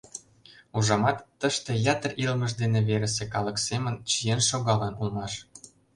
Ужамат, тыште ятыр илымыж дене верысе калык семын чиен шогалын улмаш.